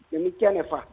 demikian ya fah